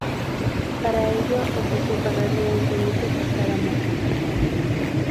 Para ello ofreció pagarle un penique por cada muerto.